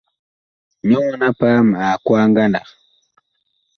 Nyɔ mɔn-a-paam ag kwaa ngandag.